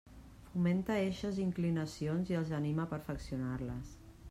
Fomenta eixes inclinacions i els anima a perfeccionar-les.